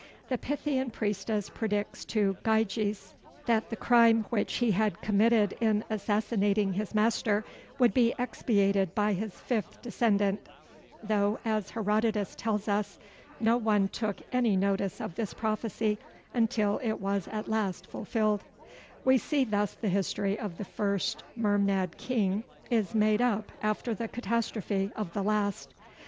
The Pythian priestess predicts to Gyges that the crime which he had committed in assassinating his master would be expiated by his fifth descendant, though, as Herodotus tells us, no one took any notice of this prophecy until it was at last fulfilled: we see thus the history of the first Mermnad king is made up after the catastrophe of the last.